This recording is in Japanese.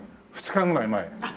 ２日ぐらい前。